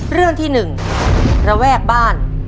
เรื่องที่๑ระแวกบ้าน